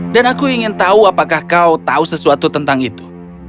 dan aku ingin tahu apakah kau tahu sesuatu tentang itu